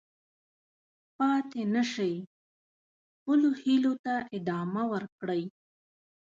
پاتې نه شئ، خپلو هیلو ته ادامه ورکړئ.